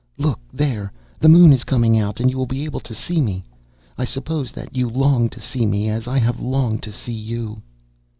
Look there, the moon is coming out, and you will be able to see me. I suppose that you long to see me, as I have longed to see you."